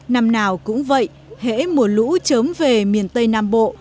năm nào cũng vậy hễ mùa lũ chớm về miền tây nam bộ